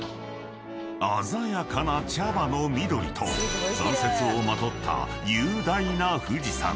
［鮮やかな茶葉の緑と残雪をまとった雄大な富士山］